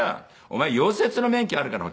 「お前溶接の免許あるから」。